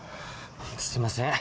すいません。